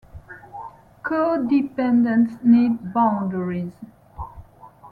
Codependents need boundaries.